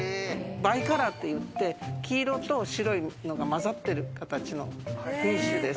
バイカラーといって黄色と白いのがまざってる形の品種です。